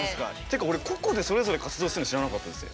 ていうか俺個々でそれぞれ活動してるの知らなかったです。